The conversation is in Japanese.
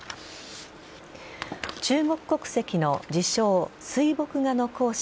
中国国籍の自称・水墨画の講師